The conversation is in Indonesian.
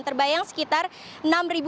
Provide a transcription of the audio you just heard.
terbayang sekitar enam ribu